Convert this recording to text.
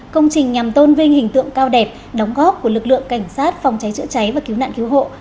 công trình nhằm tôn vinh hình tượng cao đẹp đóng góp của lực lượng cảnh sát phòng cháy chữa cháy và cứu nạn cứu hộ